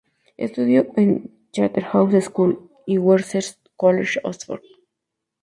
Estudió en Charterhouse School y Worcester College, Oxford.